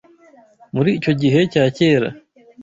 muri icyo gihe cya kera